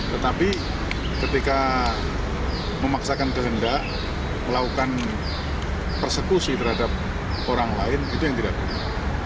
tetapi ketika memaksakan kehendak melakukan persekusi terhadap orang lain itu yang tidak benar